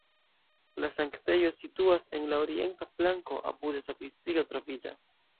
La sanktejo situas en la orienta flanko, apude sakristio troviĝas.